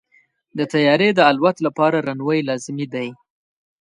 د طیارې د الوت لپاره رنوی لازمي دی.